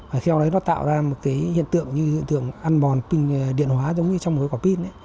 và theo đấy nó tạo ra một hiện tượng như hiện tượng ăn bòn kinh điện hóa giống như trong một quả pin